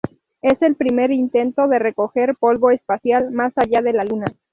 Es el primer intento de recoger polvo espacial más allá de la Luna.